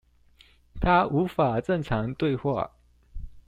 他無法正常對話